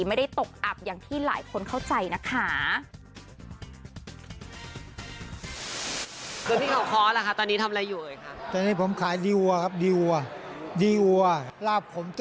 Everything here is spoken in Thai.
ไม่ได้ตกอับอย่างที่หลายคนเข้าใจนะคะ